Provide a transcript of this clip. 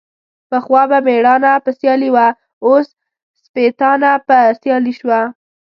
پخوا به ميړانه په سيالي وه ، اوس سپيتانه په سيالي سوه.